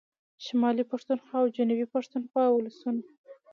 شمالي پښتونخوا او جنوبي پښتونخوا ولسونو